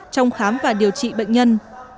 trong khám và điều trị bệnh nhân